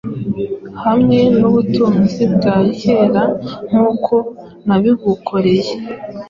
Hamwe nubutunzi bwa kerankukonabigukoreye